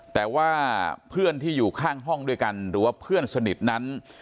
แต่ว่าเพื่อนที่อยู่ข้างห้องด้วยกันหรือว่าเพื่อนสนิทนั้น